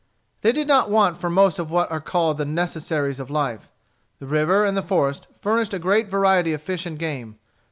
They did not want for most of what are called the necessaries of life. The river and the forest furnished a great variety of fish and game.